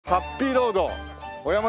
ロード